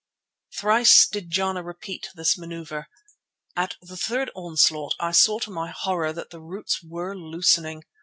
Thrice did Jana repeat this manoeuvre, and at the third onslaught I saw to my horror that the roots were loosening.